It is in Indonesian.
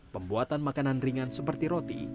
pembuatan makanan ringan seperti roti